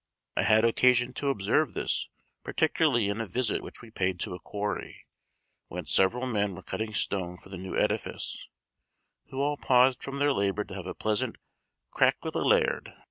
I had occasion to observe this particularly in a visit which we paid to a quarry, whence several men were cutting stone for the new edifice; who all paused from their labor to have a pleasant "crack wi' the laird."